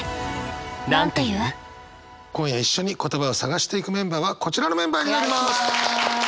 今夜一緒に言葉を探していくメンバーはこちらのメンバーになります！